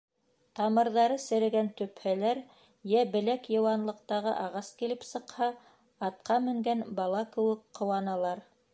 Тамырҙары серегән төпһәләр йә беләк йыуанлыҡтағы ағас килеп сыҡһа, атҡа менгән бала кеүек ҡыуаналар.